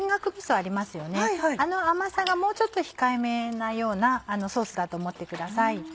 あの甘さがもうちょっと控えめなようなソースだと思ってください。